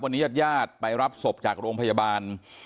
วันนี้ยาดไปรับศพจากโรงพยาบาล